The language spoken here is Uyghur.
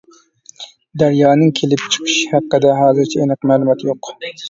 دەريانىڭ كېلىپ چىقىشى ھەققىدە ھازىرچە ئېنىق مەلۇمات يوق.